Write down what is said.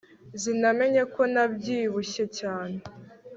sinamenye ko nabyibushye cyane